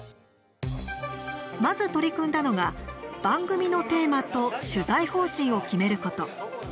まず取り組んだのが番組のテーマと取材方針を決めること。